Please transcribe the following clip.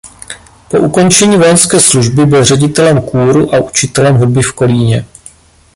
Po ukončení vojenské služby byl ředitelem kůru a učitelem hudby v Kolíně.